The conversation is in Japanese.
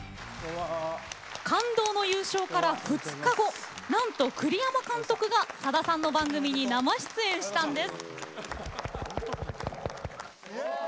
感動の優勝から２日後なんと栗山監督がさださんの番組に生出演したんです。